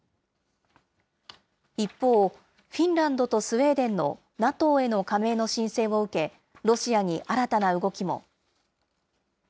一方、フィンランドとスウェーデンのＮＡＴＯへの加盟の申請を受け、ロシアに新たな動きも。